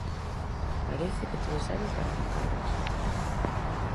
Parece que todo serve para arrancar votos.